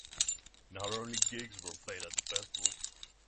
Not only gigs were played at the festival.